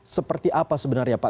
seperti apa sebenarnya pak